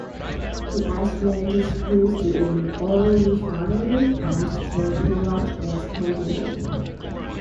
The island is host to an oil refinery and several large gas holders.